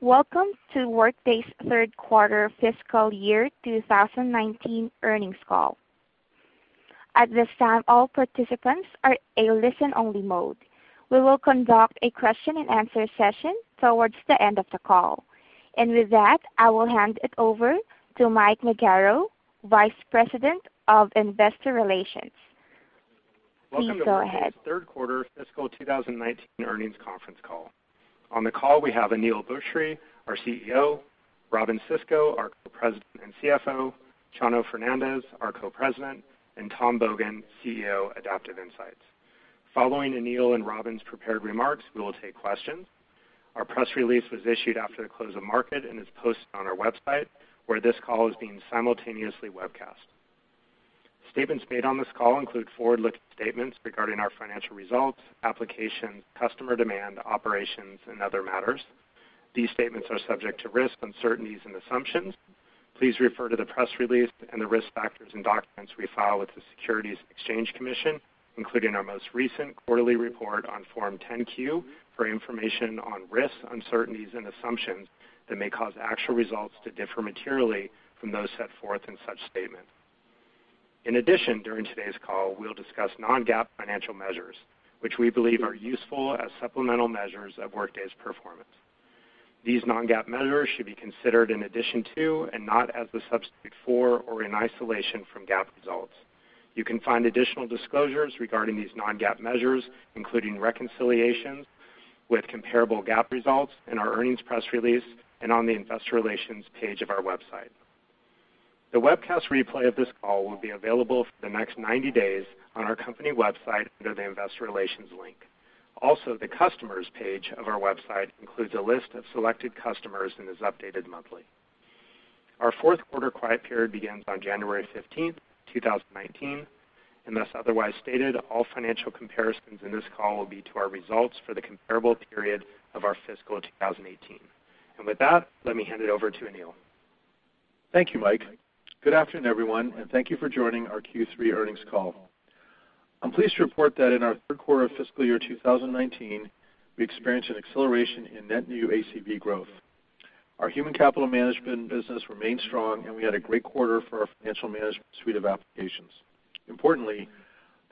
Welcome to Workday's third quarter fiscal year 2019 earnings call. At this time, all participants are in listen-only mode. We will conduct a question and answer session towards the end of the call. With that, I will hand it over to Mike Magaro, Vice President of Investor Relations. Please go ahead. Welcome to Workday's third quarter fiscal 2019 earnings conference call. On the call, we have Aneel Bhusri, our CEO, Robynne Sisco, our Co-President and CFO, Chano Fernandez, our Co-President, and Tom Bogan, CEO, Adaptive Insights. Following Aneel and Robynne's prepared remarks, we will take questions. Our press release was issued after the close of market and is posted on our website, where this call is being simultaneously webcast. Statements made on this call include forward-looking statements regarding our financial results, applications, customer demand, operations, and other matters. These statements are subject to risks, uncertainties, and assumptions. Please refer to the press release and the risk factors in documents we file with the Securities and Exchange Commission, including our most recent quarterly report on Form 10-Q, for information on risks, uncertainties, and assumptions that may cause actual results to differ materially from those set forth in such statements. In addition, during today's call, we'll discuss non-GAAP financial measures, which we believe are useful as supplemental measures of Workday's performance. These non-GAAP measures should be considered in addition to, and not as a substitute for or in isolation from GAAP results. You can find additional disclosures regarding these non-GAAP measures, including reconciliations with comparable GAAP results in our earnings press release and on the investor relations page of our website. The webcast replay of this call will be available for the next 90 days on our company website under the investor relations link. Also, the customers page of our website includes a list of selected customers and is updated monthly. Our fourth quarter quiet period begins on January 15th, 2019, unless otherwise stated, all financial comparisons in this call will be to our results for the comparable period of our fiscal 2018. With that, let me hand it over to Aneel. Thank you, Mike. Good afternoon, everyone, and thank you for joining our Q3 earnings call. I'm pleased to report that in our third quarter of fiscal year 2019, we experienced an acceleration in net new ACV growth. Our human capital management business remained strong, and we had a great quarter for our financial management suite of applications. Importantly,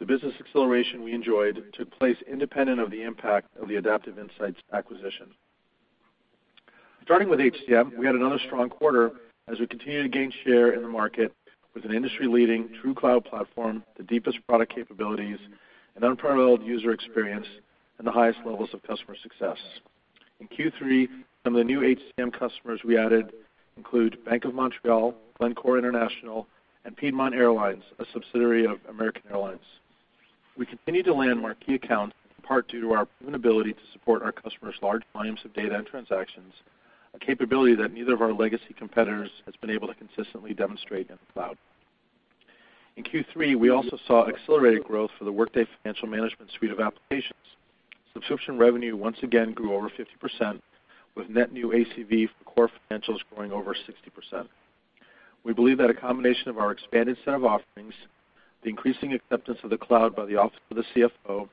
the business acceleration we enjoyed took place independent of the impact of the Adaptive Insights acquisition. Starting with HCM, we had another strong quarter as we continue to gain share in the market with an industry-leading true cloud platform, the deepest product capabilities, an unparalleled user experience, and the highest levels of customer success. In Q3, some of the new HCM customers we added include Bank of Montreal, Glencore International, and Piedmont Airlines, a subsidiary of American Airlines. We continue to land marquee accounts in part due to our proven ability to support our customers' large volumes of data and transactions, a capability that neither of our legacy competitors has been able to consistently demonstrate in the cloud. In Q3, we also saw accelerated growth for the Workday financial management suite of applications. Subscription revenue once again grew over 50%, with net new ACV for core financials growing over 60%. We believe that a combination of our expanded set of offerings, the increasing acceptance of the cloud by the office of the CFO,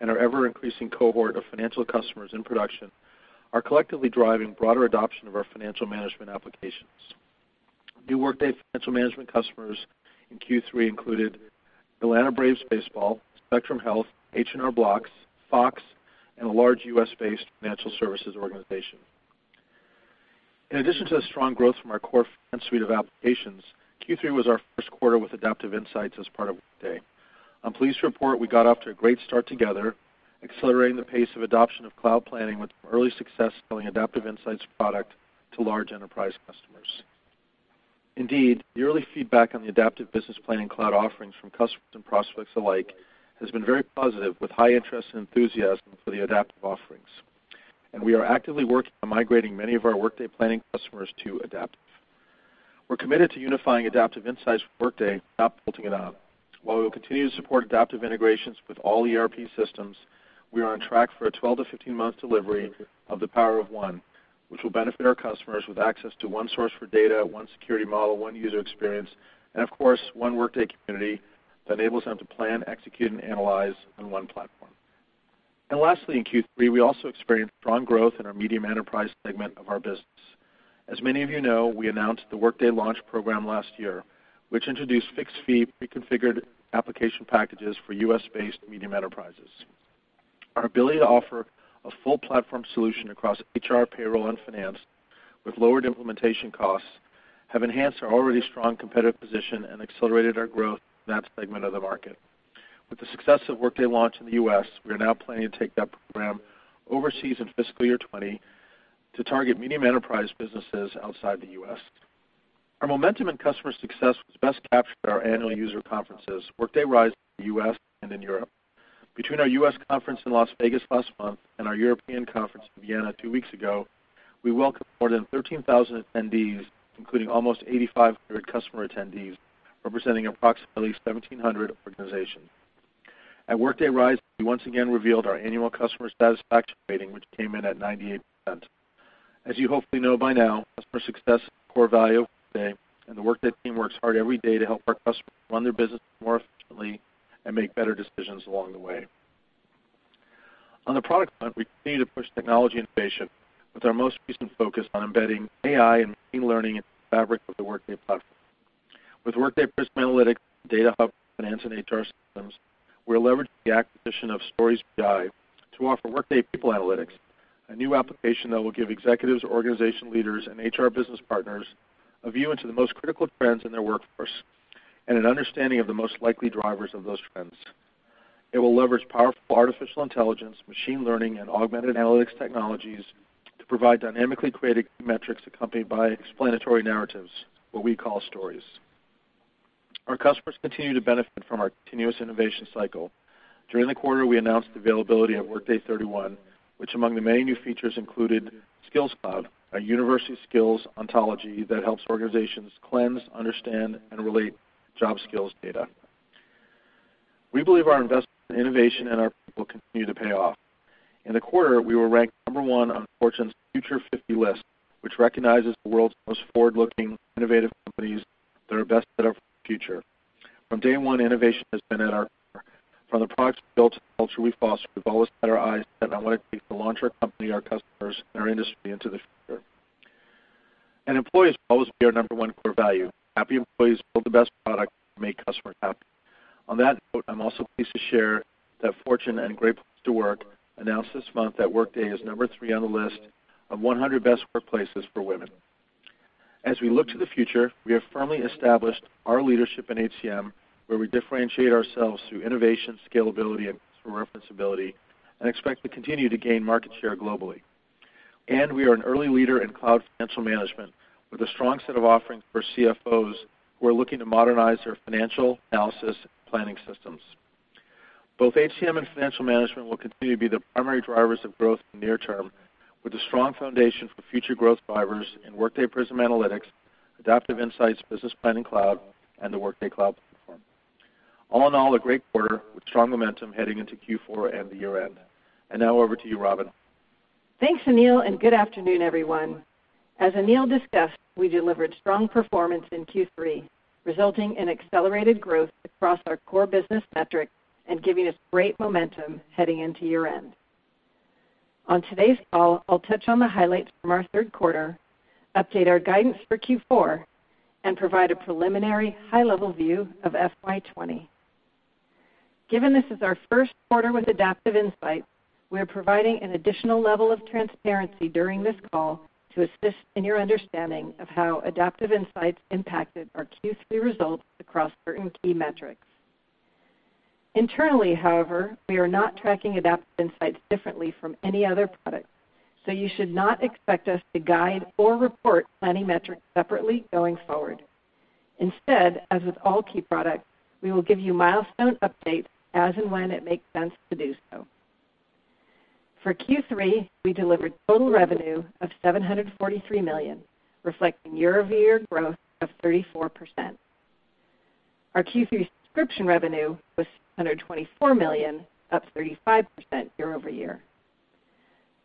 and our ever-increasing cohort of financial customers in production are collectively driving broader adoption of our financial management applications. New Workday financial management customers in Q3 included Atlanta Braves Baseball, Spectrum Health, H&R Block, Fox, and a large U.S.-based financial services organization. In addition to the strong growth from our core finance suite of applications, Q3 was our first quarter with Adaptive Insights as part of Workday. I'm pleased to report we got off to a great start together, accelerating the pace of adoption of cloud planning with early success selling Adaptive Insights product to large enterprise customers. Indeed, the early feedback on the Adaptive Business Planning Cloud offerings from customers and prospects alike has been very positive, with high interest and enthusiasm for the Adaptive offerings. We are actively working on migrating many of our Workday Planning customers to Adaptive. We're committed to unifying Adaptive Insights for Workday without building it out. While we will continue to support Adaptive integrations with all ERP systems, we are on track for a 12-15 month delivery of the Power of One, which will benefit our customers with access to one source for data, one security model, one user experience, and of course, one Workday community that enables them to plan, execute, and analyze on one platform. Lastly, in Q3, we also experienced strong growth in our medium enterprise segment of our business. As many of you know, we announced the Workday Launch program last year, which introduced fixed-fee, pre-configured application packages for U.S.-based medium enterprises. Our ability to offer a full platform solution across HR, payroll, and finance with lowered implementation costs have enhanced our already strong competitive position and accelerated our growth in that segment of the market. With the success of Workday Launch in the U.S., we are now planning to take that program overseas in FY 2020 to target medium enterprise businesses outside the U.S. Our momentum and customer success was best captured at our annual user conferences, Workday Rising in the U.S. and in Europe. Between our U.S. conference in Las Vegas last month and our European conference in Vienna two weeks ago, we welcomed more than 13,000 attendees, including almost 8,500 customer attendees, representing approximately 1,700 organizations. At Workday Rising, we once again revealed our annual customer satisfaction rating, which came in at 98%. As you hopefully know by now, customer success is a core value of Workday, and the Workday team works hard every day to help our customers run their business more efficiently. Make better decisions along the way. On the product front, we continue to push technology innovation with our most recent focus on embedding AI and machine learning into the fabric of the Workday platform. With Workday Prism Analytics, data hub, finance and HR systems, we're leveraging the acquisition of Stories.bi to offer Workday People Analytics, a new application that will give executives, organization leaders, and HR business partners a view into the most critical trends in their workforce, and an understanding of the most likely drivers of those trends. It will leverage powerful artificial intelligence, machine learning, and augmented analytics technologies to provide dynamically created metrics accompanied by explanatory narratives, what we call stories. Our customers continue to benefit from our continuous innovation cycle. During the quarter, we announced the availability of Workday 31, which among the many new features included Skills Cloud, a universal skills ontology that helps organizations cleanse, understand, and relate job skills data. We believe our investment in innovation and our people continue to pay off. In the quarter, we were ranked number one on Fortune's Future 50 list, which recognizes the world's most forward-looking innovative companies that are best set up for the future. From day one, innovation has been at our core. From the products we build to the culture we foster, we've always had our eyes set on what it takes to launch our company, our customers, and our industry into the future. Employees will always be our number one core value. Happy employees build the best product and make customers happy. On that note, I'm also pleased to share that Fortune and Great Place to Work announced this month that Workday is number three on the list of 100 Best Workplaces for Women. As we look to the future, we have firmly established our leadership in HCM, where we differentiate ourselves through innovation, scalability, and customer referencability, and expect to continue to gain market share globally. We are an early leader in cloud financial management with a strong set of offerings for CFOs who are looking to modernize their financial analysis and planning systems. Both HCM and financial management will continue to be the primary drivers of growth in the near term, with a strong foundation for future growth drivers in Workday Prism Analytics, Adaptive Insights Business Planning Cloud, and the Workday Cloud Platform. All in all, a great quarter with strong momentum heading into Q4 and the year-end. Now over to you, Robynne. Thanks, Aneel. Good afternoon, everyone. As Aneel discussed, we delivered strong performance in Q3, resulting in accelerated growth across our core business metrics and giving us great momentum heading into year-end. On today's call, I'll touch on the highlights from our third quarter, update our guidance for Q4, and provide a preliminary high-level view of FY 2020. Given this is our first quarter with Adaptive Insights, we are providing an additional level of transparency during this call to assist in your understanding of how Adaptive Insights impacted our Q3 results across certain key metrics. Internally, however, we are not tracking Adaptive Insights differently from any other product, so you should not expect us to guide or report planning metrics separately going forward. Instead, as with all key products, we will give you milestone updates as and when it makes sense to do so. For Q3, we delivered total revenue of $743 million, reflecting year-over-year growth of 34%. Our Q3 subscription revenue was $624 million, up 35% year-over-year.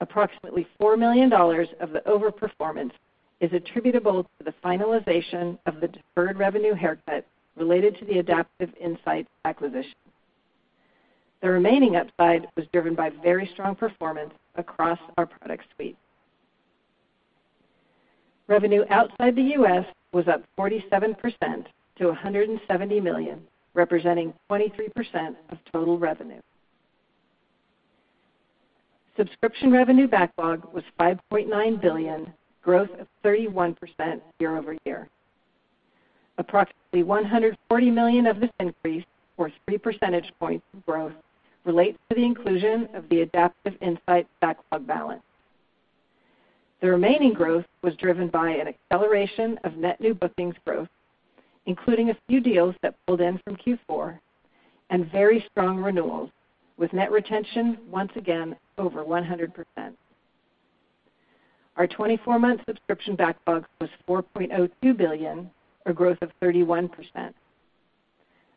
Approximately $4 million of the overperformance is attributable to the finalization of the deferred revenue haircut related to the Adaptive Insights acquisition. The remaining upside was driven by very strong performance across our product suite. Revenue outside the U.S. was up 47%-$170 million, representing 23% of total revenue. Subscription revenue backlog was $5.9 billion, growth of 31% year-over-year. Approximately $140 million of this increase, or three percentage points of growth, relates to the inclusion of the Adaptive Insights backlog balance. The remaining growth was driven by an acceleration of net new bookings growth, including a few deals that pulled in from Q4 and very strong renewals, with net retention once again over 100%. Our 24-month subscription backlog was $4.02 billion, a growth of 31%.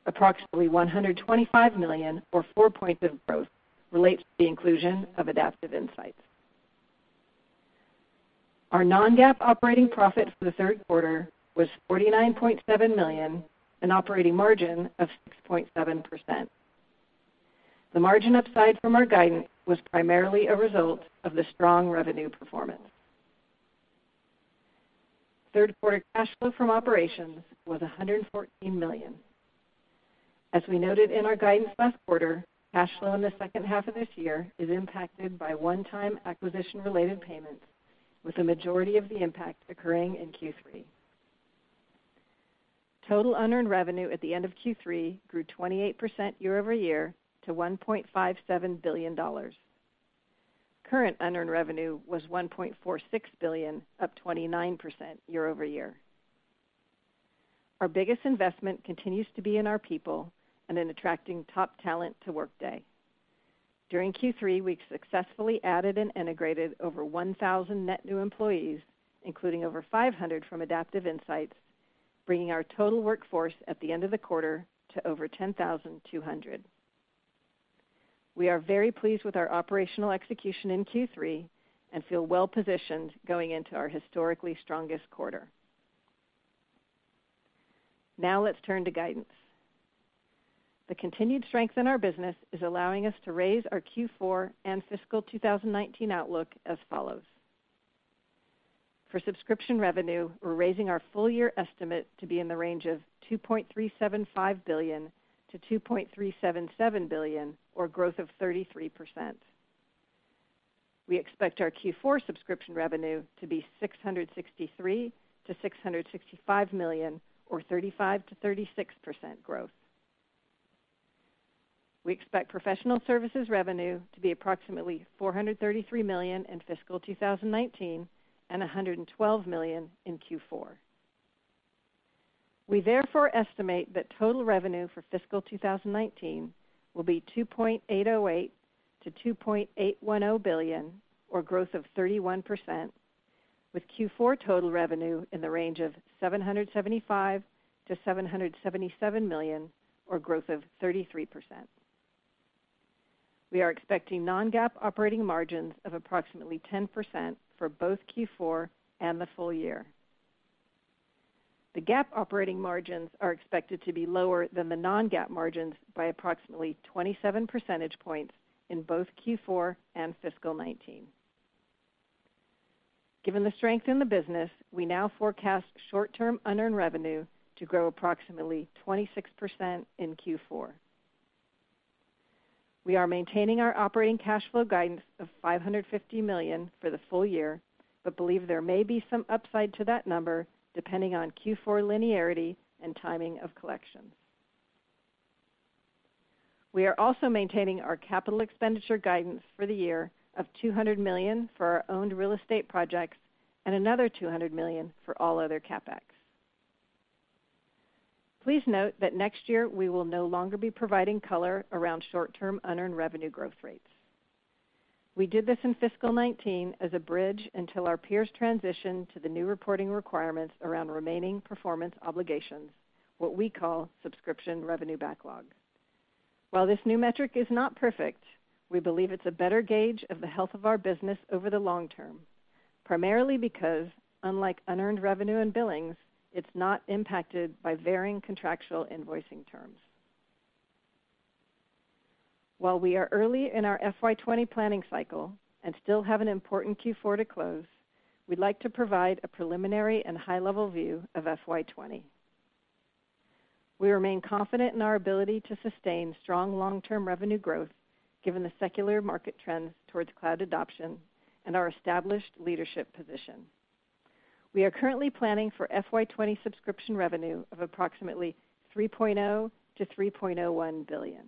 Approximately $125 million, or four points of growth, relates to the inclusion of Adaptive Insights. Our non-GAAP operating profit for the third quarter was $49.7 million, an operating margin of 6.7%. The margin upside from our guidance was primarily a result of the strong revenue performance. Third quarter cash flow from operations was $114 million. As we noted in our guidance last quarter, cash flow in the second half of this year is impacted by one-time acquisition-related payments, with the majority of the impact occurring in Q3. Total unearned revenue at the end of Q3 grew 28% year-over-year to $1.57 billion. Current unearned revenue was $1.46 billion, up 29% year-over-year. Our biggest investment continues to be in our people and in attracting top talent to Workday. During Q3, we successfully added and integrated over 1,000 net new employees, including over 500 from Adaptive Insights, bringing our total workforce at the end of the quarter to over 10,200. We are very pleased with our operational execution in Q3 and feel well-positioned going into our historically strongest quarter. Let's turn to guidance. The continued strength in our business is allowing us to raise our Q4 and fiscal 2019 outlook as follows. For subscription revenue, we're raising our full year estimate to be in the range of $2.375 billion-$2.377 billion, or growth of 33%. We expect our Q4 subscription revenue to be $663 million to $665 million, or 35%-36% growth. We expect professional services revenue to be approximately $433 million in fiscal 2019 and $112 million in Q4. We therefore estimate that total revenue for fiscal 2019 will be $2.808 billion-$2.810 billion, or growth of 31%, with Q4 total revenue in the range of $775 million-$777 million, or growth of 33%. We are expecting non-GAAP operating margins of approximately 10% for both Q4 and the full year. The GAAP operating margins are expected to be lower than the non-GAAP margins by approximately 27 percentage points in both Q4 and fiscal 2019. Given the strength in the business, we now forecast short-term unearned revenue to grow approximately 26% in Q4. We are maintaining our operating cash flow guidance of $550 million for the full year, but believe there may be some upside to that number, depending on Q4 linearity and timing of collections. We are also maintaining our capital expenditure guidance for the year of $200 million for our owned real estate projects and another $200 million for all other CapEx. Please note that next year we will no longer be providing color around short-term unearned revenue growth rates. We did this in fiscal 2019 as a bridge until our peers transition to the new reporting requirements around remaining performance obligations, what we call subscription revenue backlog. While this new metric is not perfect, we believe it's a better gauge of the health of our business over the long term, primarily because, unlike unearned revenue and billings, it's not impacted by varying contractual invoicing terms. While we are early in our FY 2020 planning cycle and still have an important Q4 to close, we'd like to provide a preliminary and high-level view of FY 2020. We remain confident in our ability to sustain strong long-term revenue growth given the secular market trends towards cloud adoption and our established leadership position. We are currently planning for FY 2020 subscription revenue of approximately $3.0 billion-$3.01 billion.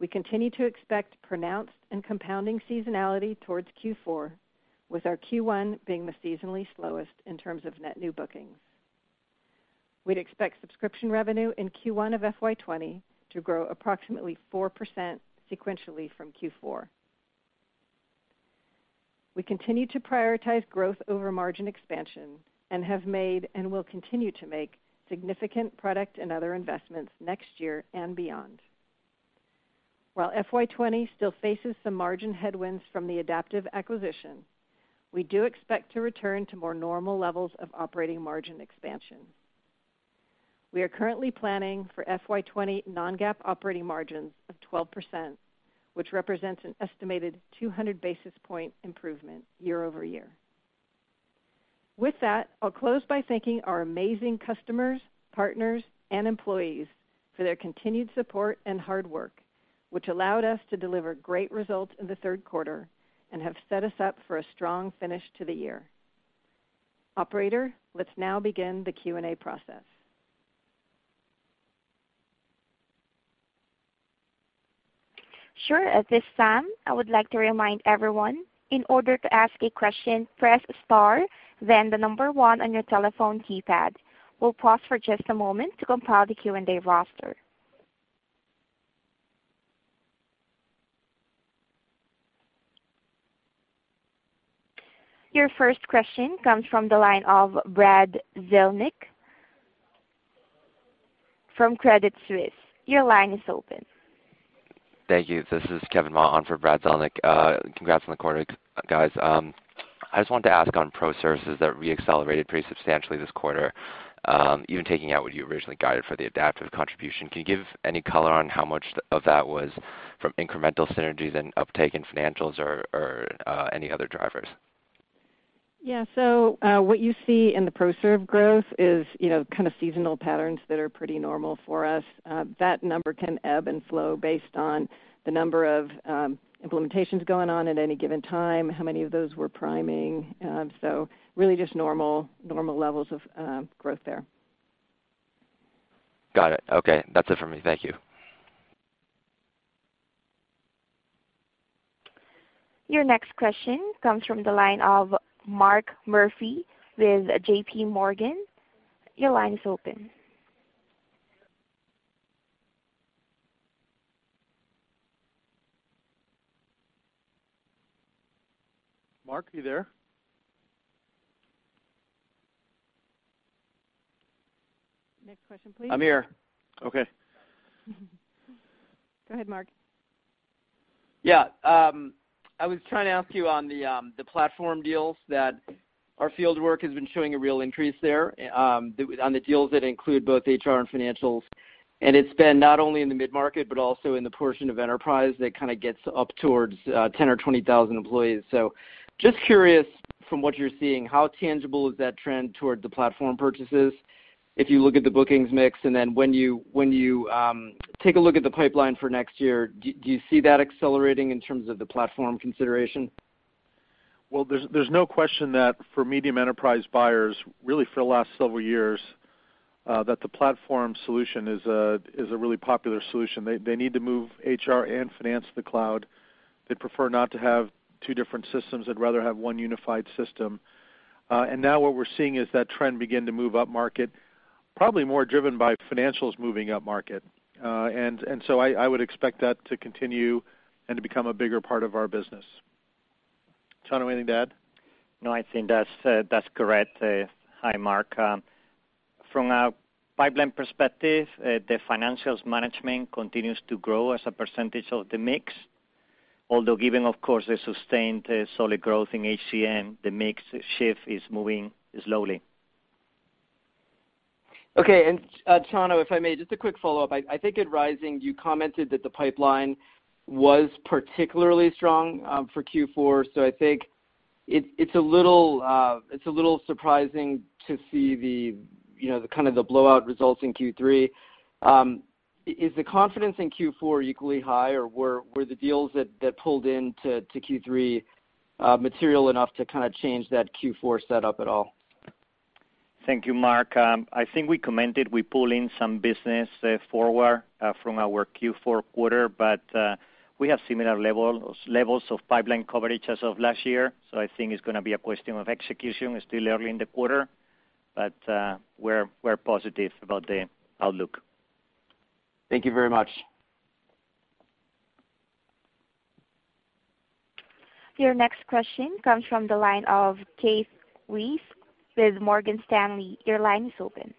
We continue to expect pronounced and compounding seasonality towards Q4, with our Q1 being the seasonally slowest in terms of net new bookings. We'd expect subscription revenue in Q1 of FY 2020 to grow approximately 4% sequentially from Q4. We continue to prioritize growth over margin expansion and have made, and will continue to make, significant product and other investments next year and beyond. While FY 2020 still faces some margin headwinds from the Adaptive acquisition, we do expect to return to more normal levels of operating margin expansion. We are currently planning for FY 2020 non-GAAP operating margins of 12%, which represents an estimated 200-basis point improvement year over year. With that, I'll close by thanking our amazing customers, partners, and employees for their continued support and hard work, which allowed us to deliver great results in the third quarter and have set us up for a strong finish to the year. Operator, let's now begin the Q&A process. Sure. At this time, I would like to remind everyone, in order to ask a question, press star, then the number one on your telephone keypad. We'll pause for just a moment to compile the Q&A roster. Your first question comes from the line of Brad Zelnick from Credit Suisse. Your line is open. Thank you. This is Kevin Meighan on for Brad Zelnick. Congrats on the quarter, guys. I just wanted to ask on pro services that re-accelerated pretty substantially this quarter, even taking out what you originally guided for the Adaptive contribution. Can you give any color on how much of that was from incremental synergies and uptake in financials or any other drivers? Yeah. What you see in the pro serve growth is kind of seasonal patterns that are pretty normal for us. That number can ebb and flow based on the number of implementations going on at any given time, how many of those we're priming. Really just normal levels of growth there. Got it. Okay. That's it for me. Thank you. Your next question comes from the line of Mark Murphy with JPMorgan. Your line is open. Mark, are you there? Next question, please. I'm here. Okay. Go ahead, Mark. Yeah. I was trying to ask you on the platform deals that our field work has been showing a real increase there, on the deals that include both HR and financials. It's been not only in the mid-market, but also in the portion of enterprise that gets up towards 10,000 or 20,000 employees. Just curious from what you're seeing, how tangible is that trend toward the platform purchases if you look at the bookings mix, then when you take a look at the pipeline for next year, do you see that accelerating in terms of the platform consideration? Well, there's no question that for medium enterprise buyers, really for the last several years, that the platform solution is a really popular solution. They need to move HR and finance to the cloud. They'd prefer not to have two different systems. They'd rather have one unified system. Now what we're seeing is that trend begin to move up market, probably more driven by financials moving up market. I would expect that to continue and to become a bigger part of our business. Chano, anything to add? No, I think that's correct. Hi, Mark. From a pipeline perspective, the financials management continues to grow as a percentage of the mix, although given, of course, the sustained solid growth in HCM, the mix shift is moving slowly. Chano, if I may, just a quick follow-up. I think at Workday Rising, you commented that the pipeline was particularly strong for Q4. I think it's a little surprising to see the blowout results in Q3. Is the confidence in Q4 equally high, or were the deals that pulled into Q3 material enough to change that Q4 setup at all? Thank you, Mark. I think we commented we pull in some business forward from our Q4 quarter, but we have similar levels of pipeline coverage as of last year. I think it's going to be a question of execution. It's still early in the quarter, but we're positive about the outlook. Thank you very much. Your next question comes from the line of Keith Weiss with Morgan Stanley. Your line is open.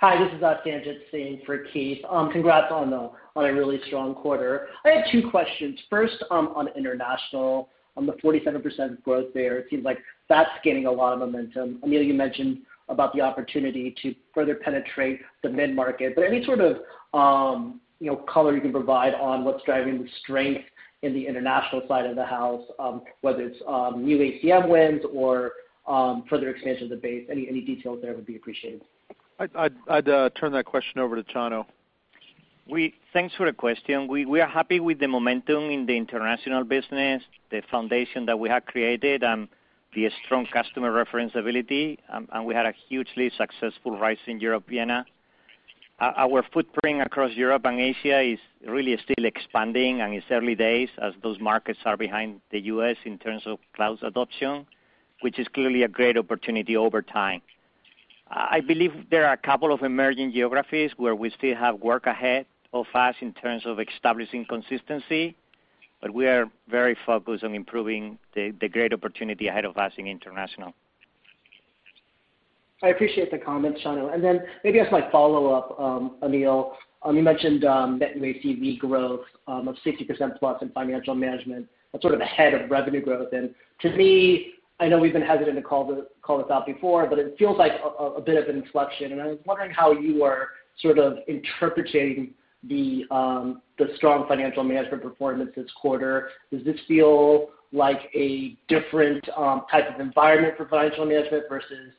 Hi, this is Sanjit Singh for Keith. Congrats on a really strong quarter. I have two questions. First, on international, on the 47% growth there, it seems like that's gaining a lot of momentum. Aneel, you mentioned about the opportunity to further penetrate the mid-market, but any sort of color you can provide on what's driving the strength in the international side of the house? Whether it's new HCM wins or further expansion of the base. Any details there would be appreciated. I'd turn that question over to Chano. Thanks for the question. We are happy with the momentum in the international business, the foundation that we have created, and the strong customer reference ability, and we had a hugely successful Workday Rising Europe, Vienna. Our footprint across Europe and Asia is really still expanding, and it's early days as those markets are behind the U.S. in terms of cloud adoption, which is clearly a great opportunity over time. I believe there are a couple of emerging geographies where we still have work ahead of us in terms of establishing consistency, but we are very focused on improving the great opportunity ahead of us in international. I appreciate the comments, Chano. Maybe as my follow-up, Aneel, you mentioned that you may see the growth of 60%+ in financial management, that's sort of ahead of revenue growth. To me, I know we've been hesitant to call this out before, but it feels like a bit of an inflection, and I was wondering how you are sort of interpreting the strong financial management performance this quarter. Does this feel like a different type of environment for financial management versus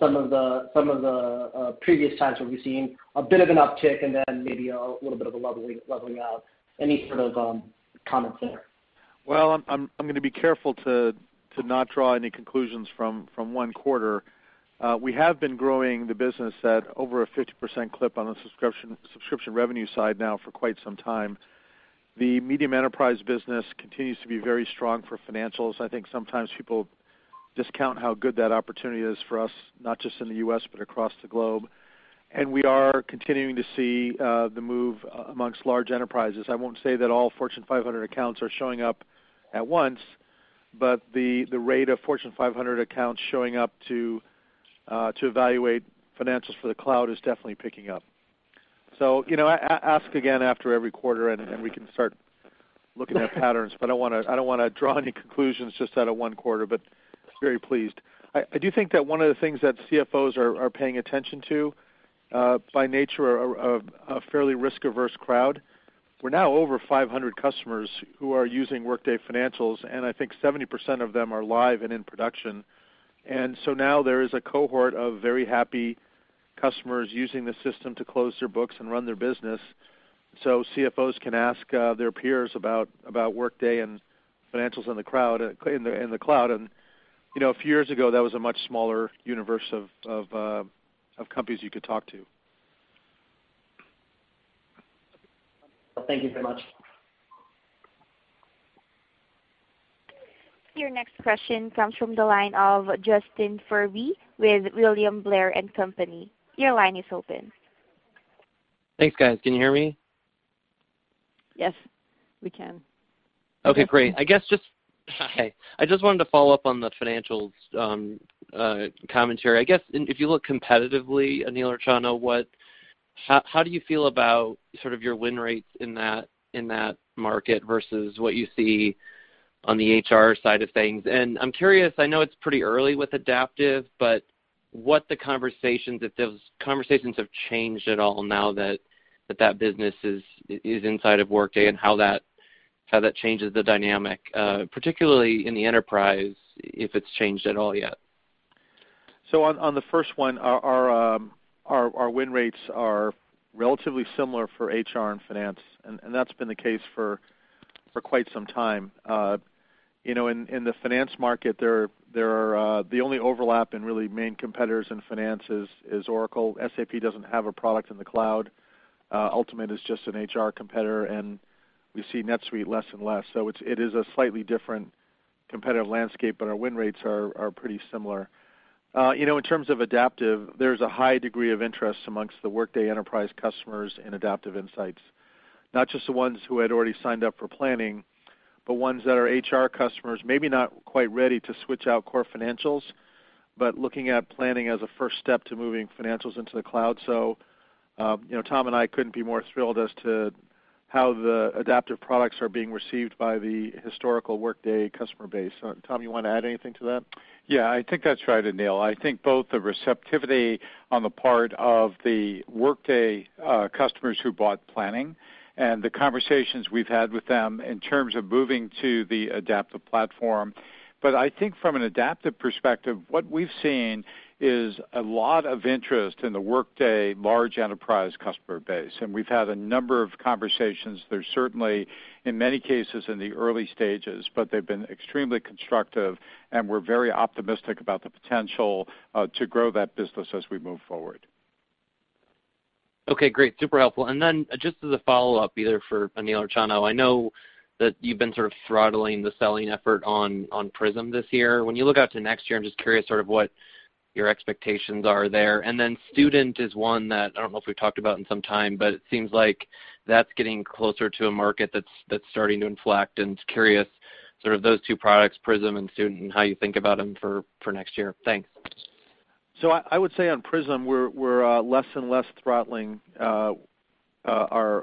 some of the previous times where we've seen a bit of an uptick and then maybe a little bit of a leveling out? Any sort of comments there? I'm going to be careful to not draw any conclusions from one quarter. We have been growing the business at over a 50% clip on the subscription revenue side now for quite some time. The medium enterprise business continues to be very strong for financials. I think sometimes people discount how good that opportunity is for us, not just in the U.S., but across the globe. We are continuing to see the move amongst large enterprises. I won't say that all Fortune 500 accounts are showing up at once, but the rate of Fortune 500 accounts showing up to evaluate financials for the cloud is definitely picking up. Ask again after every quarter, and we can start looking at patterns. I don't want to draw any conclusions just out of one quarter, but very pleased. I do think that one of the things that CFOs are paying attention to, by nature, are a fairly risk-averse crowd. We're now over 500 customers who are using Workday financials, and I think 70% of them are live and in production. Now there is a cohort of very happy customers using the system to close their books and run their business. CFOs can ask their peers about Workday and financials in the cloud. A few years ago, that was a much smaller universe of companies you could talk to. Thank you very much. Your next question comes from the line of Justin Furby with William Blair & Company. Your line is open. Thanks, guys. Can you hear me? Yes, we can. Okay, great. I just wanted to follow up on the financials commentary. I guess, if you look competitively, Aneel or Chano, how do you feel about your win rates in that market versus what you see on the HR side of things? I'm curious, I know it's pretty early with Adaptive, but what the conversations, if those conversations have changed at all now that that business is inside of Workday, and how that changes the dynamic, particularly in the enterprise, if it's changed at all yet. On the first one, our win rates are relatively similar for HR and finance, and that's been the case for quite some time. In the finance market, the only overlap in really main competitors in finance is Oracle. SAP doesn't have a product in the cloud. Ultimate is just an HR competitor, and we see NetSuite less and less. It is a slightly different competitive landscape, but our win rates are pretty similar. In terms of Adaptive, there's a high degree of interest amongst the Workday enterprise customers in Adaptive Insights. Not just the ones who had already signed up for planning, but ones that are HR customers, maybe not quite ready to switch out core financials, but looking at planning as a first step to moving financials into the cloud. Tom and I couldn't be more thrilled as to how the Adaptive products are being received by the historical Workday customer base. Tom, you want to add anything to that? I think that's right, Aneel. I think both the receptivity on the part of the Workday customers who bought planning and the conversations we've had with them in terms of moving to the Adaptive platform. I think from an Adaptive perspective, what we've seen is a lot of interest in the Workday large enterprise customer base, and we've had a number of conversations. They're certainly, in many cases, in the early stages, but they've been extremely constructive, and we're very optimistic about the potential to grow that business as we move forward. Great. Super helpful. Just as a follow-up, either for Aneel or Chano, I know that you've been throttling the selling effort on Prism this year. When you look out to next year, I'm just curious what your expectations are there. Student is one that I don't know if we've talked about in some time, but it seems like that's getting closer to a market that's starting to inflect, and just curious, those two products, Prism and Student, and how you think about them for next year. Thanks. I would say on Prism, we're less and less throttling our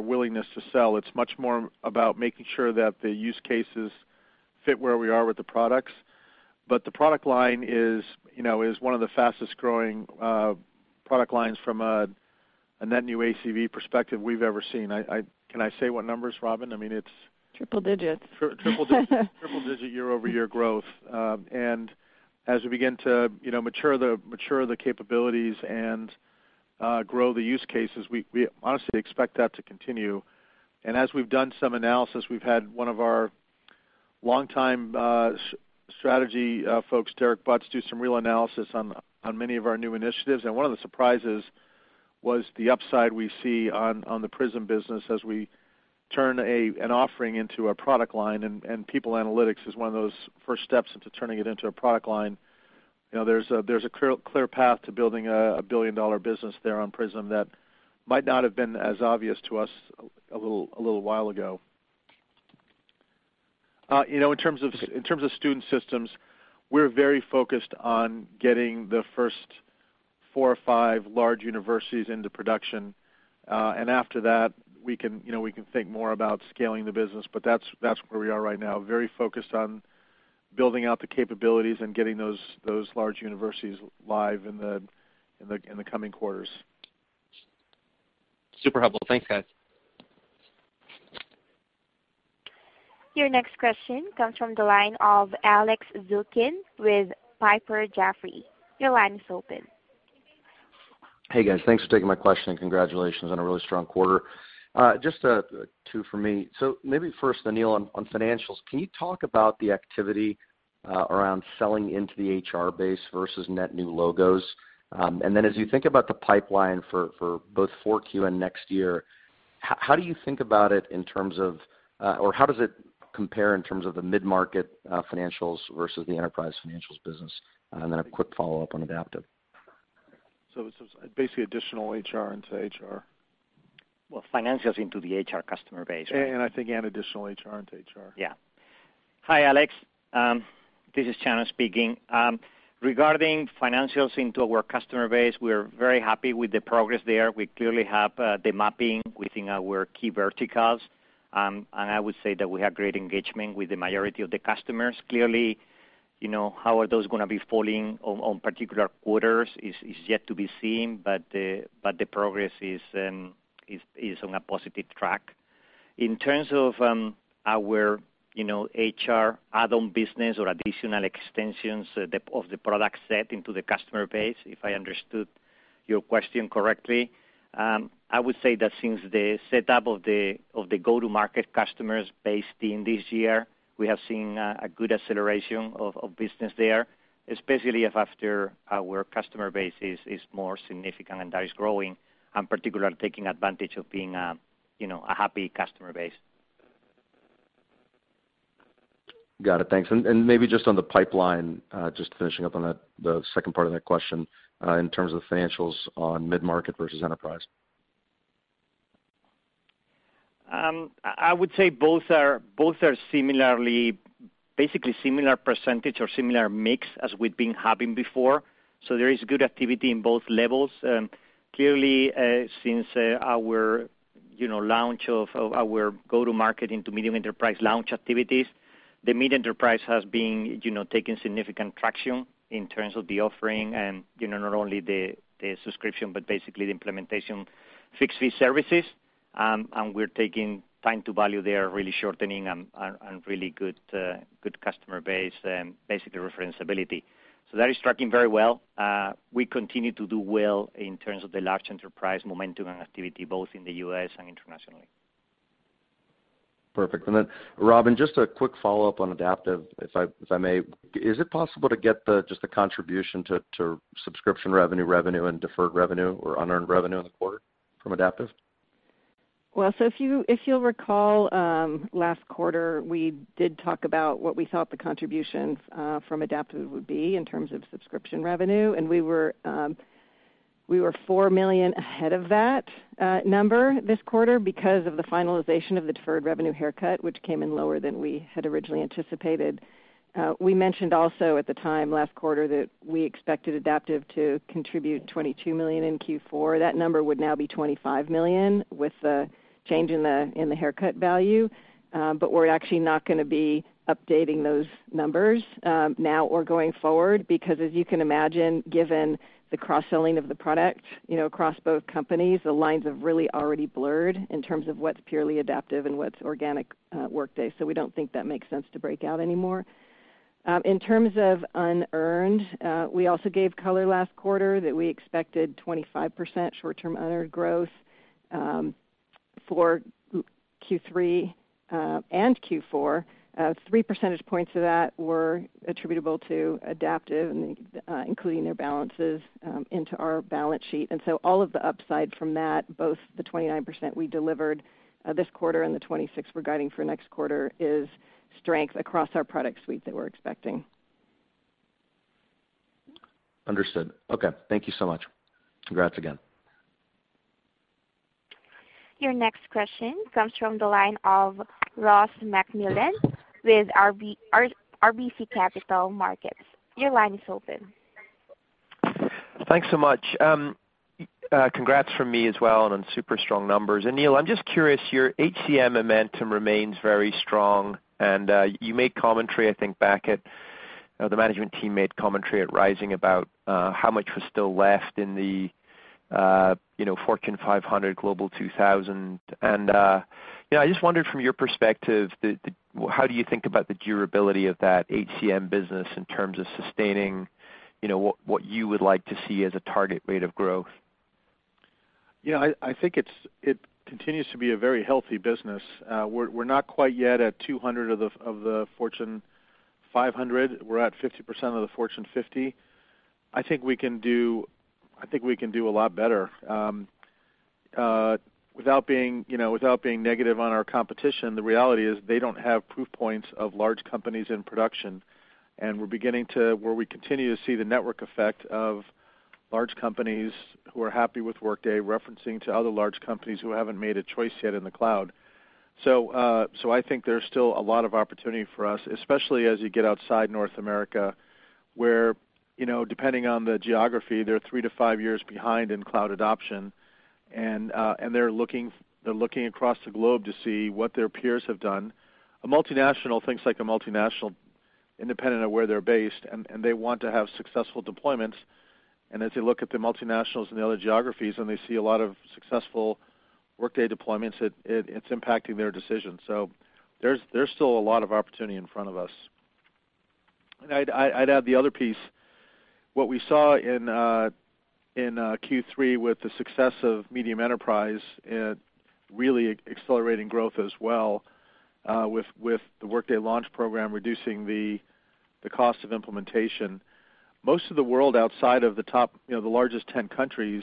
willingness to sell. It's much more about making sure that the use cases fit where we are with the products. The product line is one of the fastest-growing product lines from a net new ACV perspective we've ever seen. Can I say what numbers, Robynne? I mean, it's. Triple digits. Triple-digit year-over-year growth. As we begin to mature the capabilities and grow the use cases, we honestly expect that to continue. As we've done some analysis, we've had one of our longtime strategy folks, Derek Butts, do some real analysis on many of our new initiatives. One of the surprises was the upside we see on the Prism business as we turn an offering into a product line, and People Analytics is one of those first steps into turning it into a product line. There's a clear path to building a billion-dollar business there on Prism that might not have been as obvious to us a little while ago. In terms of Student Systems, we're very focused on getting the first four or five large universities into production. After that, we can think more about scaling the business, but that's where we are right now. Very focused on building out the capabilities and getting those large universities live in the coming quarters. Super helpful. Thanks, guys. Your next question comes from the line of Alex Zukin with Piper Jaffray. Your line is open. Hey, guys. Thanks for taking my question, congratulations on a really strong quarter. Just two for me. Maybe first, Aneel, on financials, can you talk about the activity around selling into the HR base versus net new logos? Then as you think about the pipeline for both 4Q and next year, how does it compare in terms of the mid-market financials versus the enterprise financials business? Then a quick follow-up on Adaptive. Basically additional HR into HR. Well, financials into the HR customer base. I think, and additional HR into HR. Yeah. Hi, Alex. This is Chano speaking. Regarding financials into our customer base, we are very happy with the progress there. We clearly have the mapping within our key verticals. I would say that we have great engagement with the majority of the customers. Clearly, how are those going to be falling on particular quarters is yet to be seen, but the progress is on a positive track. In terms of our HR add-on business or additional extensions of the product set into the customer base, if I understood your question correctly, I would say that since the setup of the go-to-market customers based in this year, we have seen a good acceleration of business there, especially after our customer base is more significant and that is growing, and particularly taking advantage of being a happy customer base. Got it. Thanks. Maybe just on the pipeline, just finishing up on the second part of that question, in terms of the financials on mid-market versus enterprise. I would say both are basically similar percentage or similar mix as we've been having before. There is good activity in both levels. Clearly, since our launch of our go-to-market into medium enterprise launch activities, the mid-enterprise has been taking significant traction in terms of the offering and not only the subscription, but basically the implementation fixed-fee services. We're taking time to value there, really shortening and really good customer base and basically referenceability. That is tracking very well. We continue to do well in terms of the large enterprise momentum and activity, both in the U.S. and internationally. Perfect. Robynne, just a quick follow-up on Adaptive, if I may. Is it possible to get just the contribution to subscription revenue and deferred revenue or unearned revenue in the quarter from Adaptive? If you'll recall, last quarter, we did talk about what we thought the contributions from Adaptive would be in terms of subscription revenue. We were $4 million ahead of that number this quarter because of the finalization of the deferred revenue haircut, which came in lower than we had originally anticipated. We mentioned also at the time last quarter that we expected Adaptive to contribute $22 million in Q4. That number would now be $25 million with the change in the haircut value. We're actually not going to be updating those numbers now or going forward, because as you can imagine, given the cross-selling of the product across both companies, the lines have really already blurred in terms of what's purely Adaptive and what's organic Workday. We don't think that makes sense to break out anymore. In terms of unearned, we also gave color last quarter that we expected 25% short-term unearned growth for Q3 and Q4. 3 percentage points of that were attributable to Adaptive, including their balances into our balance sheet. All of the upside from that, both the 29% we delivered this quarter and the 26% we're guiding for next quarter, is strength across our product suite that we're expecting. Understood. Okay. Thank you so much. Congrats again. Your next question comes from the line of Ross MacMillan with RBC Capital Markets. Your line is open. Thanks so much. Congrats from me as well on super strong numbers. Aneel, I'm just curious, your HCM momentum remains very strong, and the management team made commentary at Rising about how much was still left in the Fortune 500 Global 2000. I just wondered from your perspective, how do you think about the durability of that HCM business in terms of sustaining what you would like to see as a target rate of growth? I think it continues to be a very healthy business. We're not quite yet at 200 of the Fortune 500. We're at 50% of the Fortune 50. I think we can do a lot better. Without being negative on our competition, the reality is they don't have proof points of large companies in production. We're beginning to where we continue to see the network effect of large companies who are happy with Workday referencing to other large companies who haven't made a choice yet in the cloud. I think there's still a lot of opportunity for us, especially as you get outside North America, where, depending on the geography, they're three to five years behind in cloud adoption, and they're looking across the globe to see what their peers have done. A multinational thinks like a multinational, independent of where they're based, they want to have successful deployments. As they look at the multinationals in the other geographies and they see a lot of successful Workday deployments, it's impacting their decisions. There's still a lot of opportunity in front of us. I'd add the other piece. What we saw in Q3 with the success of medium enterprise really accelerating growth as well with the Workday Launch program reducing the cost of implementation. Most of the world outside of the largest 10 countries,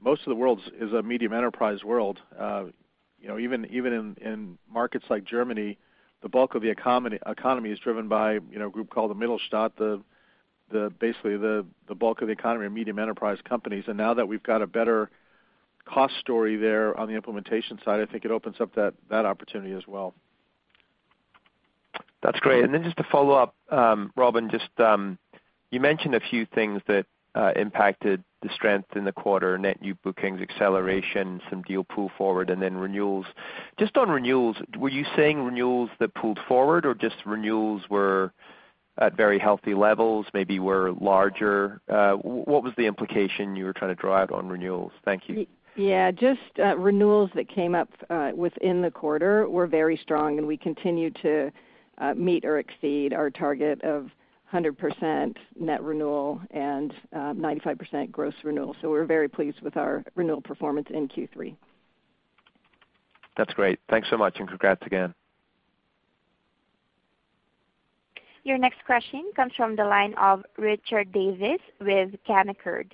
most of the world is a medium enterprise world. Even in markets like Germany, the bulk of the economy is driven by a group called the Mittelstand, basically the bulk of the economy are medium enterprise companies. Now that we've got a better cost story there on the implementation side, I think it opens up that opportunity as well. That's great. Just to follow up, Robynne, you mentioned a few things that impacted the strength in the quarter, net new bookings, acceleration, some deal pull forward, and then renewals. Just on renewals, were you saying renewals that pulled forward or just renewals were at very healthy levels, maybe were larger? What was the implication you were trying to draw out on renewals? Thank you. Yeah, just renewals that came up within the quarter were very strong, we continue to meet or exceed our target of 100% net renewal and 95% gross renewal. We're very pleased with our renewal performance in Q3. That's great. Thanks so much, congrats again. Your next question comes from the line of Richard Davis with Canaccord.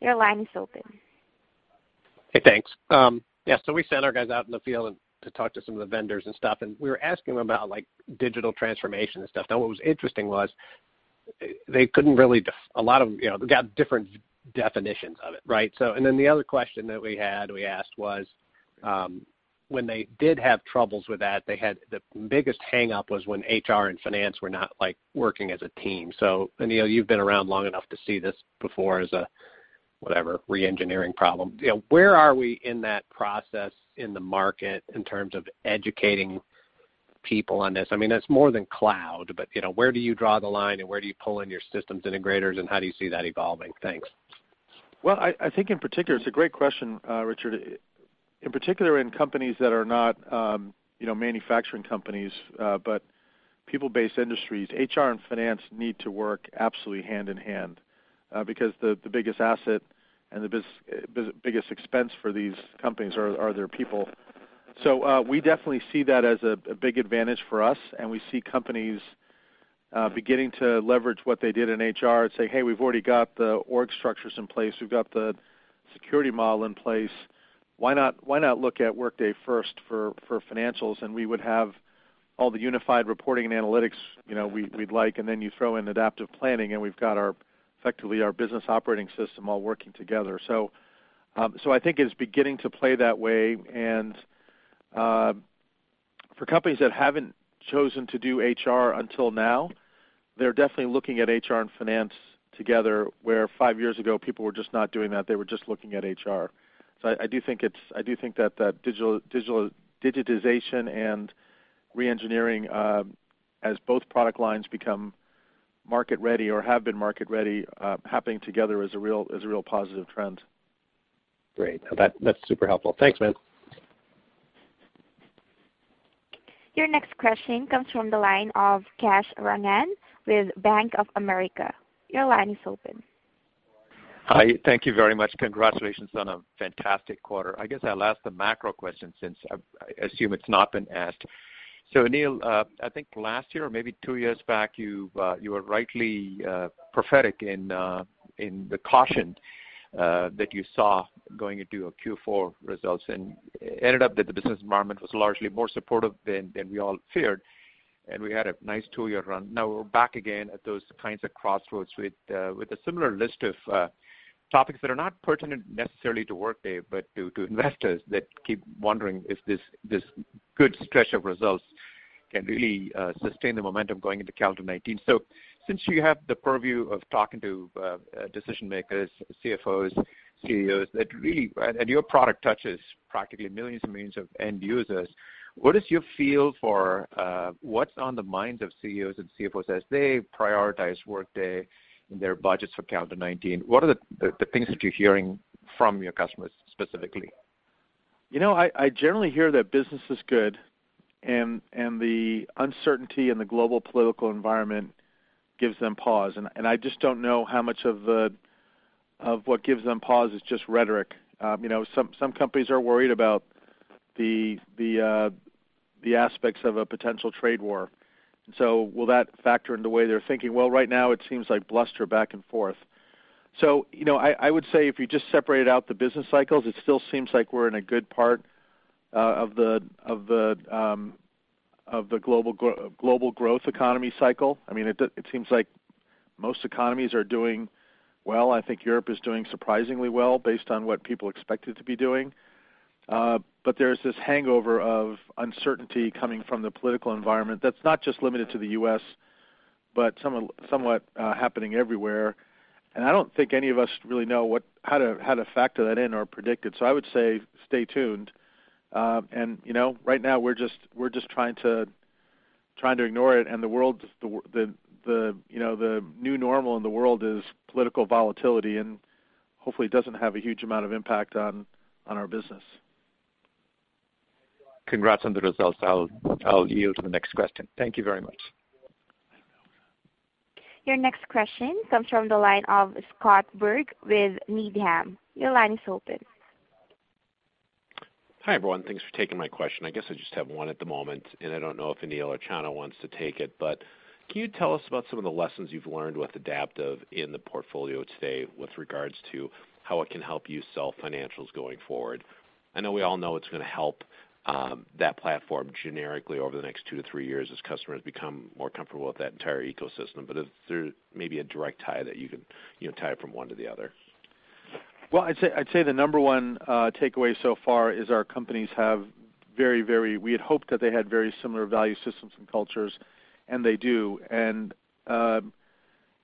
Your line is open. Hey, thanks. We sent our guys out in the field to talk to some of the vendors and stuff, we were asking them about digital transformation and stuff. What was interesting was they got different definitions of it, right? The other question that we asked was, when they did have troubles with that, the biggest hang-up was when HR and finance were not working as a team. Aneel, you've been around long enough to see this before as a, whatever, re-engineering problem. Where are we in that process in the market in terms of educating people on this? It's more than cloud, where do you draw the line where do you pull in your systems integrators, how do you see that evolving? Thanks. Well, it's a great question, Richard. In particular, in companies that are not manufacturing companies, but people-based industries, HR and finance need to work absolutely hand-in-hand, because the biggest asset and the biggest expense for these companies are their people. We definitely see that as a big advantage for us, we see companies beginning to leverage what they did in HR and say, "Hey, we've already got the org structures in place. We've got the security model in place. Why not look at Workday first for financials? We would have all the unified reporting and analytics we'd like." You throw in Adaptive Planning, we've got effectively our business operating system all working together. I think it is beginning to play that way, and for companies that haven't chosen to do HR until now, they're definitely looking at HR and finance together, where five years ago, people were just not doing that. They were just looking at HR. I do think that digitization and re-engineering, as both product lines become market ready or have been market ready, happening together is a real positive trend. Great. That's super helpful. Thanks, man. Your next question comes from the line of Kash Rangan with Bank of America. Your line is open. Hi. Thank you very much. Congratulations on a fantastic quarter. I guess I'll ask the macro question since I assume it's not been asked. Aneel, I think last year or maybe two years back, you were rightly prophetic in the caution that you saw going into your Q4 results, and it ended up that the business environment was largely more supportive than we all feared, and we had a nice two-year run. Now we're back again at those kinds of crossroads with a similar list of topics that are not pertinent necessarily to Workday, but to investors that keep wondering if this good stretch of results can really sustain the momentum going into calendar 2019. Since you have the purview of talking to decision-makers, CFOs, CEOs, and your product touches practically millions and millions of end users, what is your feel for what's on the minds of CEOs and CFOs as they prioritize Workday in their budgets for calendar 2019? What are the things that you're hearing from your customers specifically? I generally hear that business is good, and the uncertainty in the global political environment gives them pause. I just don't know how much of what gives them pause is just rhetoric. Some companies are worried about the aspects of a potential trade war. Will that factor in the way they're thinking? Well, right now it seems like bluster back and forth. I would say if you just separated out the business cycles, it still seems like we're in a good part of the global growth economy cycle. It seems like most economies are doing well. I think Europe is doing surprisingly well, based on what people expect it to be doing. There's this hangover of uncertainty coming from the political environment that's not just limited to the U.S., but somewhat happening everywhere. I don't think any of us really know how to factor that in or predict it. I would say stay tuned. Right now, we're just trying to ignore it, and the new normal in the world is political volatility, and hopefully, it doesn't have a huge amount of impact on our business. Congrats on the results. I'll yield to the next question. Thank you very much. Your next question comes from the line of Scott Berg with Needham. Your line is open. Hi, everyone. Thanks for taking my question. I guess I just have one at the moment, and I don't know if Aneel or Chano wants to take it, but can you tell us about some of the lessons you've learned with Adaptive Insights in the portfolio today with regards to how it can help you sell financials going forward? I know we all know it's going to help that platform generically over the next two to three years as customers become more comfortable with that entire ecosystem, but is there maybe a direct tie that you can tie it from one to the other? Well, I'd say the number one takeaway so far is our companies, we had hoped that they had very similar value systems and cultures, and they do.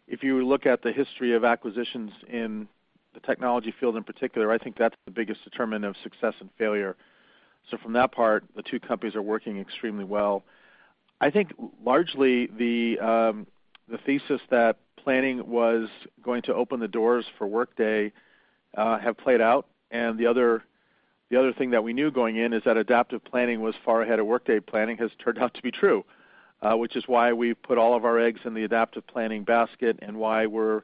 If you look at the history of acquisitions in the technology field in particular, I think that's the biggest determinant of success and failure. From that part, the two companies are working extremely well. I think largely the thesis that planning was going to open the doors for Workday have played out, and the other thing that we knew going in is that Workday Adaptive Planning was far ahead of Workday Planning has turned out to be true. Which is why we put all of our eggs in the Workday Adaptive Planning basket, and why we're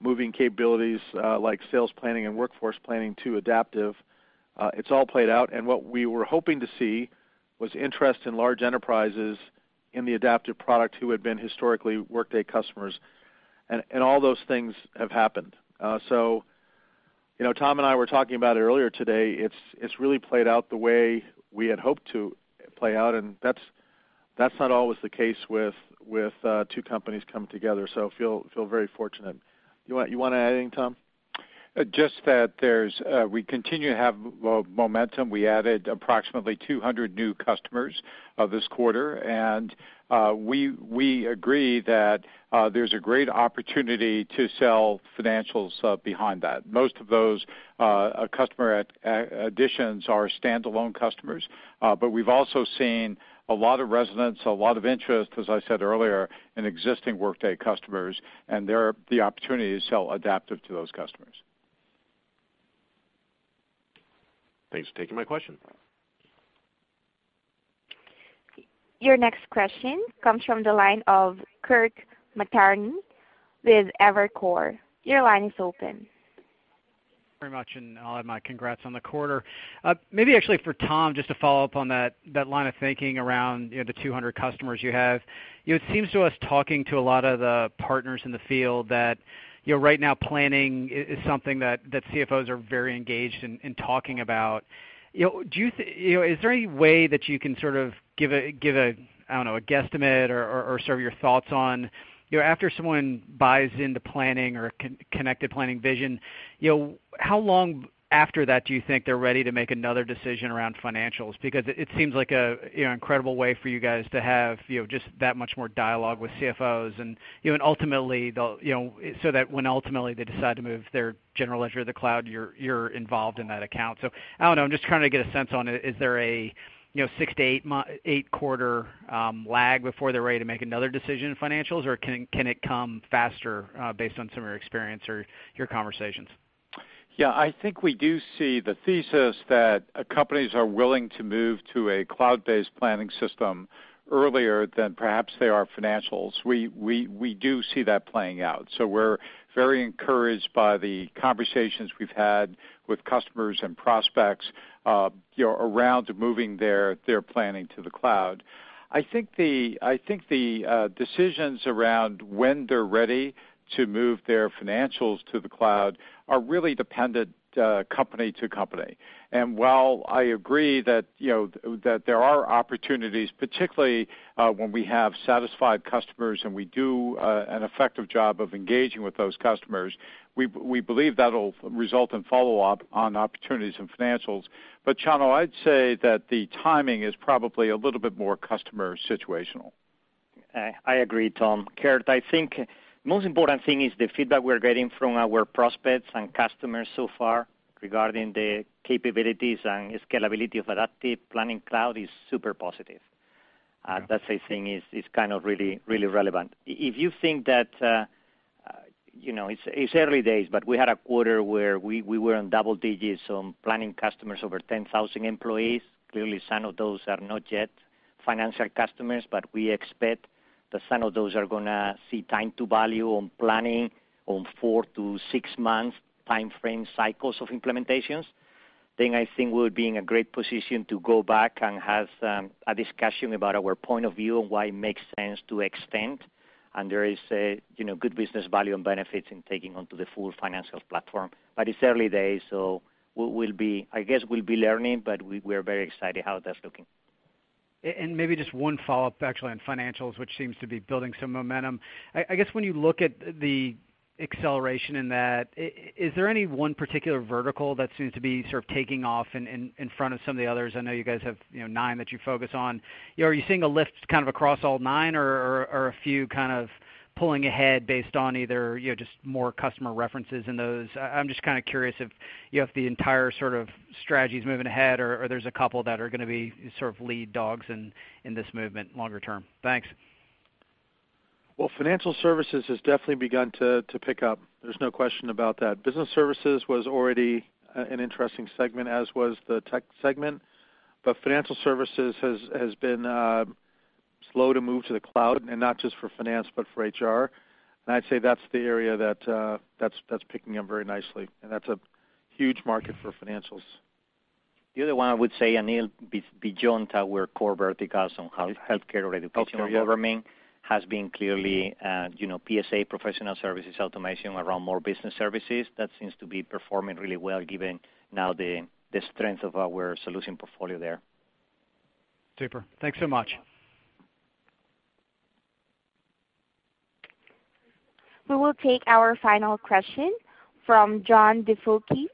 moving capabilities like sales planning and workforce planning to Workday Adaptive Planning. It's all played out, and what we were hoping to see was interest in large enterprises in the Workday Adaptive Planning product who had been historically Workday customers. All those things have happened. Tom and I were talking about it earlier today. It's really played out the way we had hoped to play out, and that's not always the case with two companies coming together, so feel very fortunate. You want to add anything, Tom? Just that we continue to have momentum. We added approximately 200 new customers this quarter, and we agree that there's a great opportunity to sell financials behind that. Most of those customer additions are standalone customers. But we've also seen a lot of resonance, a lot of interest, as I said earlier, in existing Workday customers, and the opportunity to sell Adaptive to those customers. Thanks for taking my question. Your next question comes from the line of Kirk Materne with Evercore. Your line is open. Very much, and I'll add my congrats on the quarter. Maybe actually for Tom, just to follow up on that line of thinking around the 200 customers you have. It seems to us talking to a lot of the partners in the field that right now planning is something that CFOs are very engaged in talking about. Is there any way that you can sort of give a guesstimate or share your thoughts on after someone buys into planning or connected planning vision, how long after that do you think they're ready to make another decision around financials? Because it seems like an incredible way for you guys to have just that much more dialogue with CFOs and ultimately, so that when ultimately they decide to move their general ledger to the cloud, you're involved in that account. I don't know, I'm just trying to get a sense on it. Is there a six to eight quarter lag before they're ready to make another decision in financials, or can it come faster, based on some of your experience or your conversations? Yeah, I think we do see the thesis that companies are willing to move to a cloud-based planning system earlier than perhaps they are financials. We do see that playing out. We're very encouraged by the conversations we've had with customers and prospects around moving their planning to the cloud. I think the decisions around when they're ready to move their financials to the cloud are really dependent company to company. While I agree that there are opportunities, particularly when we have satisfied customers and we do an effective job of engaging with those customers, we believe that'll result in follow-up on opportunities in financials. Chano, I'd say that the timing is probably a little bit more customer situational. I agree, Tom. Kirk, I think most important thing is the feedback we're getting from our prospects and customers so far regarding the capabilities and scalability of Adaptive Planning Cloud is super positive. That's the thing, is kind of really relevant. If you think that, it's early days, but we had a quarter where we were in double digits on planning customers over 10,000 employees. Clearly, some of those are not yet financial customers, but we expect that some of those are going to see time to value on planning on 4-6 months timeframe cycles of implementations. I think we would be in a great position to go back and have a discussion about our point of view on why it makes sense to extend. There is good business value and benefits in taking on to the full financial platform. It's early days, so I guess we'll be learning, but we're very excited how that's looking. Maybe just one follow-up, actually, on financials, which seems to be building some momentum. I guess when you look at the acceleration in that, is there any one particular vertical that seems to be sort of taking off in front of some of the others? I know you guys have nine that you focus on. Are you seeing a lift across all nine or a few kind of pulling ahead based on either just more customer references in those? I'm just curious if the entire sort of strategy's moving ahead or there's a couple that are going to be lead dogs in this movement longer term. Thanks. Well, financial services has definitely begun to pick up. There's no question about that. Business services was already an interesting segment, as was the tech segment. Financial services has been slow to move to the cloud, and not just for finance, but for HR. I'd say that's the area that's picking up very nicely, and that's a huge market for financials. The other one I would say, Aneel, beyond our core verticals on healthcare or educational government, has been clearly PSA, professional services automation, around more business services. That seems to be performing really well given now the strength of our solution portfolio there. Super. Thanks so much. We will take our final question from John DiFucci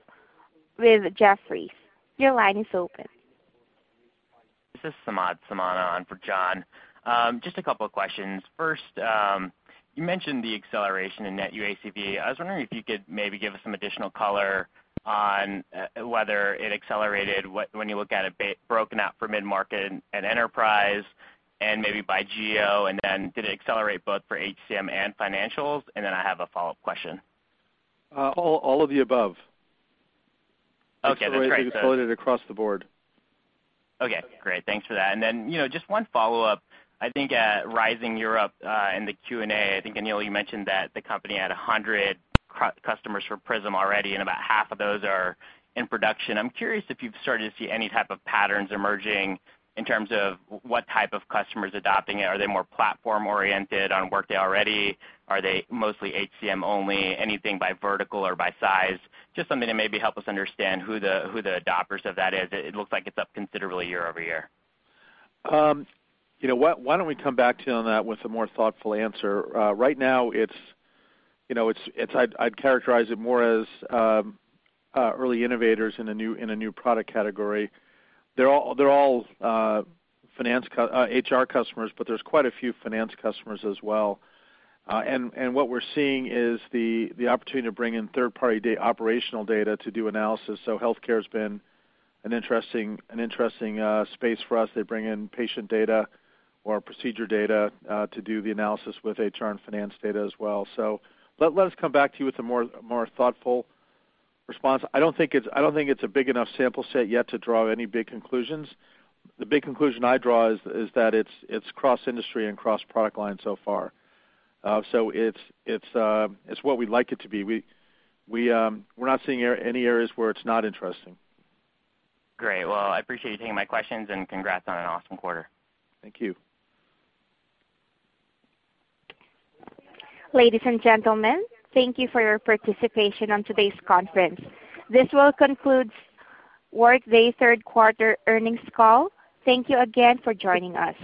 with Jefferies. Your line is open. This is Samad Samana on for John. Just a couple of questions. First, you mentioned the acceleration in net new ACV. I was wondering if you could maybe give us some additional color on whether it accelerated when you look at it broken out for mid-market and enterprise and maybe by geo. Did it accelerate both for HCM and financials? I have a follow-up question. All of the above. Okay, that's great. Exploded across the board. Okay, great. Thanks for that. Just one follow-up. I think at Workday Rising Europe, in the Q&A, I think, Aneel, you mentioned that the company had 100 customers for Prism already, and about half of those are in production. I'm curious if you've started to see any type of patterns emerging in terms of what type of customers adopting it. Are they more platform-oriented on Workday already? Are they mostly HCM only? Anything by vertical or by size? Just something to maybe help us understand who the adopters of that is. It looks like it's up considerably year-over-year. Why don't we come back to you on that with a more thoughtful answer? Right now, I'd characterize it more as early innovators in a new product category. They're all HR customers, but there's quite a few finance customers as well. What we're seeing is the opportunity to bring in third-party operational data to do analysis. Healthcare's been an interesting space for us. They bring in patient data or procedure data to do the analysis with HR and finance data as well. Let us come back to you with a more thoughtful response. I don't think it's a big enough sample set yet to draw any big conclusions. The big conclusion I draw is that it's cross-industry and cross-product line so far. It's what we'd like it to be. We're not seeing any areas where it's not interesting. Great. Well, I appreciate you taking my questions, and congrats on an awesome quarter. Thank you. Ladies and gentlemen, thank you for your participation on today's conference. This will conclude Workday third quarter earnings call. Thank you again for joining us.